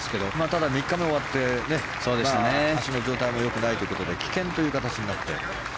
ただ、３日目終わって足の状態も良くないというので棄権という形になって。